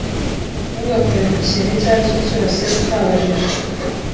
Ntugakore ku kintu icyo ari cyo cyose utabajije.